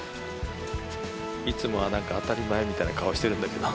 いつもは当たり前みたいな顔してるんだけど。